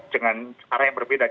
dengan arah yang berbeda